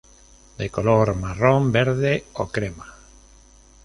De color marrón, verde o crema.